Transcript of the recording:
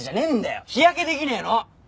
日焼けできねえの！